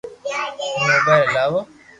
ھون موبائل ھلاو